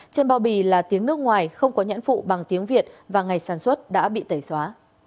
trên bao bì là tiếng nước ngoài không có nhãn phụ bằng tiếng việt và ngày sản xuất đã bị tẩy xóa